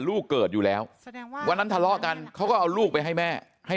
ลูกเกิดอยู่แล้ววันนั้นทะเลาะกันเขาก็เอาลูกไปให้แม่ให้